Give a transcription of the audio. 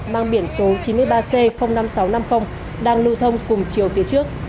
mang biển số chín mươi ba c năm nghìn sáu trăm năm mươi đang lưu thông cùng chiều phía trước